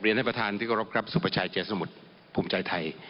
เรียนให้ประธานที่รับกรับสุภาชัยเจสสมุทรภูมิใจไทย